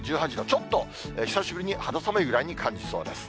ちょっと久しぶりに肌寒いぐらいに感じそうです。